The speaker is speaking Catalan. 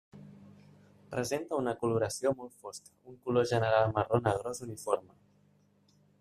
Presenta una coloració molt fosca, un color general marró negrós uniforme.